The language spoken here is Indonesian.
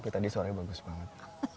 tadi suaranya bagus banget